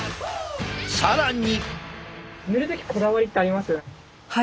更に。